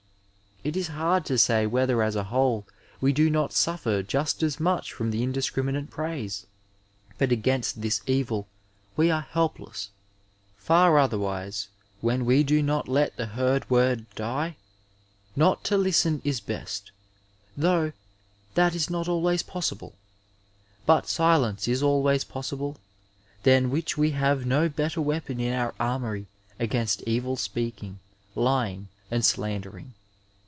It is hard to say whether as a whole we do not sufEer just as much from the indiscriminate praise. But against this evil we are helpless. Far other wise, when we do not let the heard word die ; not to listen is best, though that is not always possible, but silence 808 Digitized by Google CHAUVINISM IN MBDICINB 18 always possible, than wbich we have no better weapoD in our annoury against evil speaking, lying, and slander ing.